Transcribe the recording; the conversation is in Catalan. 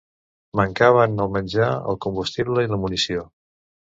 Mancaven el menjar, el combustible i la munició.